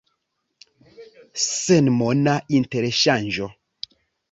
Senmona interŝanĝo?